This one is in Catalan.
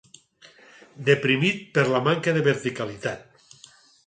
Deprimit per la manca de verticalitat.